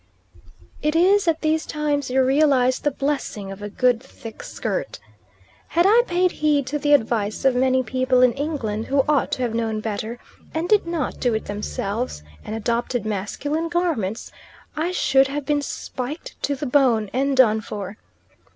It is at these times you realise the blessing of a good thick skirt. Had I paid heed to the advice of many people in England, who ought to have known better, and did not do it themselves, and adopted masculine garments, I should have been spiked to the bone, and done for.